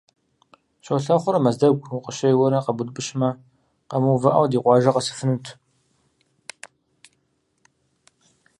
Щолэхъур Мэздэгу укъыщеуэрэ къэбутӀыпщмэ, къэмыувыӀэу, ди къуажэ къэсыфынут.